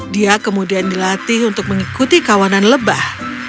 dia kemudian dilatih untuk mengikuti kawanan lebah